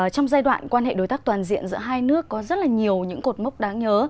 trong giai đoạn quan hệ đối tác toàn diện giữa hai nước có rất là nhiều những cột mốc đáng nhớ